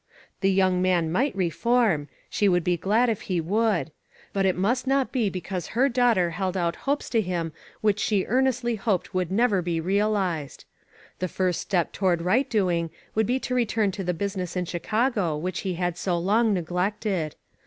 The young man might reform ; she would be glad if he would ; but it must not be because her daughter held out hopes to him which she earnestly hoped would never be realized. The first step toward right doing would be to return to the business in Chicago which he had so long neglected.